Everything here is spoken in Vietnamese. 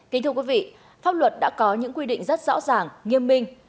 kính thưa quý vị pháp luật đã có những quy định rất rõ ràng nghiêm minh